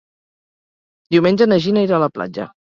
Diumenge na Gina irà a la platja.